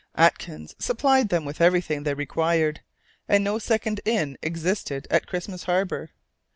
Atkins supplied them with everything they required, and no second inn existed at Christmas Harbour.